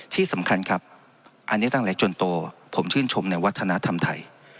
ที่สำคัญครับอันนี้ตั้งแต่จนโตผมชื่นชมในวัฒนธรรมไทย